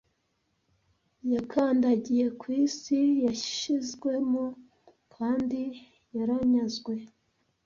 Yakandagiye ku isi, yashizwemo, kandi yaranyazwe,